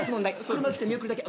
車来て見送るだけ。